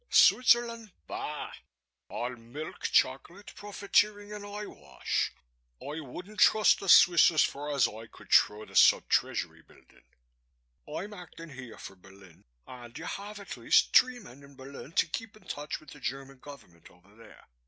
Switzerland? Bah! All milk chocolate, profiteering and eyewash. I wouldn't trust a Swiss as far as I could throw the Sub Treasury Building. I'm acting here for Berlin and you have at least three men in Berlin to keep in touch with the German Government over there.